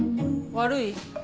悪い？